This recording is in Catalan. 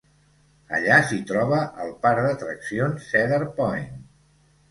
Allà s'hi troba el parc d'atraccions Cedar Point.